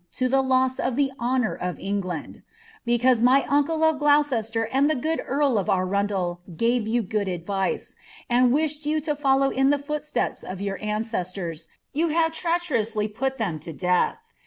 to the loss of the hononr of England. Btrausc my unrie of Gloucester and the giiod earl of Arundel gave you gond advice, and wiithed you to follow in the footsteps of your ancea lors, you hare treacherously put ihem to deaih.